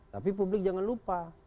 tapi publik jangan lupa